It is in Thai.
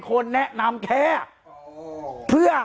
การแก้เคล็ดบางอย่างแค่นั้นเอง